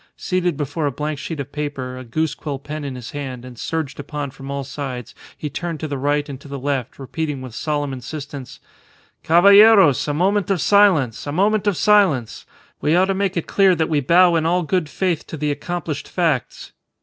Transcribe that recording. Seated before a blank sheet of paper, a goose quill pen in his hand and surged upon from all sides, he turned to the right and to the left, repeating with solemn insistence "Caballeros, a moment of silence! A moment of silence! We ought to make it clear that we bow in all good faith to the accomplished facts."